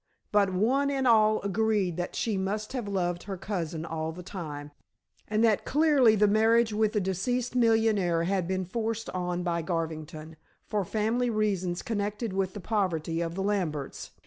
But one and all agreed that she must have loved her cousin all the time, and that clearly the marriage with the deceased millionaire had been forced on by Garvington, for family reasons connected with the poverty of the Lamberts.